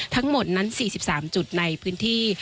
ทั้งหมดนั้น๔๓จุดในพื้นที่